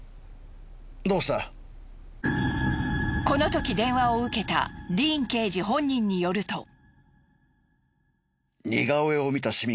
このとき電話を受けたディーン刑事本人によると。